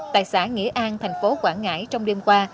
tại xã nghĩa an thành phố quảng ngãi trong đêm qua